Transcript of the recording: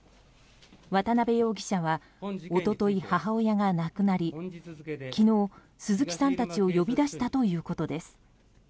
渡邊容疑者は一昨日、母親が亡くなり昨日、鈴木さんたちを呼び出したということです。